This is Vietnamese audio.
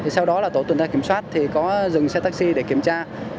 sau đó là tổ tuần tra kiểm soát thì có dừng xe taxi để kiểm tra